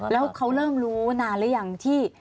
แล้วเขาเริ่มรู้นานหรือยังที่